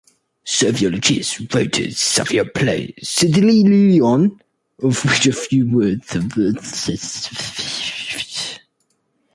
Sophocles wrote a satyr play "Cedalion", of which a few words survive.